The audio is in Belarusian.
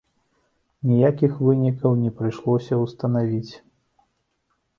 Ніякіх вынікаў не прыйшлося ўстанавіць.